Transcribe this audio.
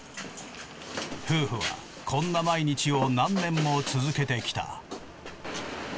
夫婦はこんな毎日を何年も続けてきた。